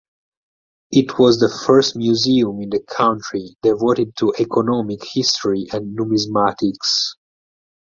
It was the first museum in the country devoted to economic history and numismatics.